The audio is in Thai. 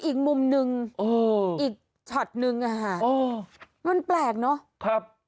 อีกมุมนึงอีกช็อตนึงมันแปลกเนาะ